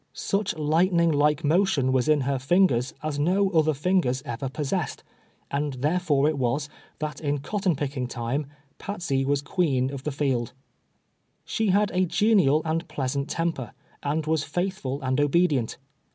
Such lightning like motion was in her fingers as no other fingei s ever possessed, and therefore it was, that in cotton picking time, Patsey was cpieen of the field. She had a genial and pleasant temper, and was faithful and obedient.